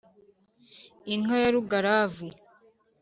inka ya rugaravu